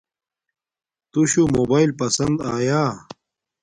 توشو موباݵل پسند آیا